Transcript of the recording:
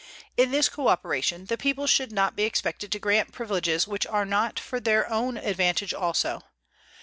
In this coöperation the people should not be expected to grant privileges which are not for their own advantage also.